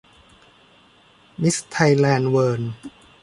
มิสไทยแลนด์เวิลด์